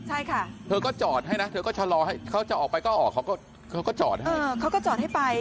ใช่ค่ะเธอก็จอดให้นะเธอก็ชะลอให้เขาจะออกไปก็ออกเขาก็เขาก็จอดให้เออเขาก็จอดให้ไป